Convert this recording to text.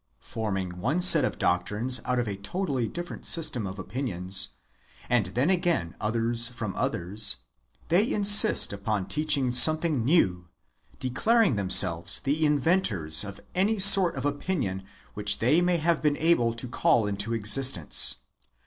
Forming one set of doctrines out of a totally different system of opinions, and then again others from others, they insist upon teaching something new, declaring themselves the inventors of any sort of opinion which they may have been able to call into existence.